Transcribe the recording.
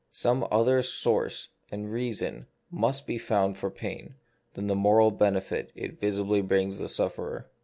Some other source and reason must be found for pain than the moral benefit it visibly brings the sufferer.